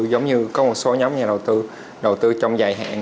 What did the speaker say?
giống như có một số nhóm nhà đầu tư đầu tư trong dài hạn